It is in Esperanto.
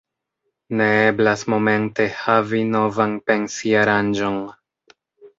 Ne eblas momente havi novan pensi-aranĝon.